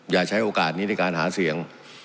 อย่าใช้โอกาสนี้ในการหาเสียง